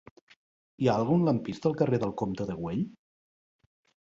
Hi ha algun lampista al carrer del Comte de Güell?